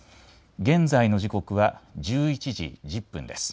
現在の時刻は１１時１０分です。